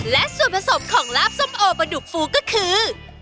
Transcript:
และส่วนผสมของลาบส้มโอปลาดุกฟูก็คือ